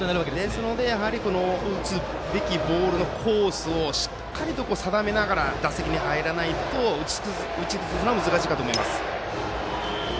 ですので打つべきボールのコースをしっかりと定めながら打席に入らなければ打ち崩すのは難しいと思います。